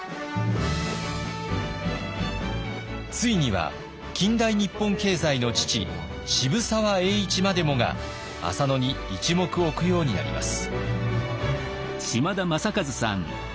ついには近代日本経済の父渋沢栄一までもが浅野に一目置くようになります。